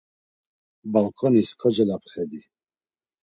Balǩonis kocelapxedi.